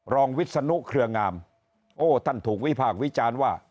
วิศนุเครืองามโอ้ท่านถูกวิพากษ์วิจารณ์ว่า